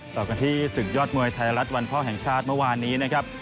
ต่อกันที่ศึกยอดมวยไทยรัฐวันพ่อแห่งชาติเมื่อวานนี้นะครับ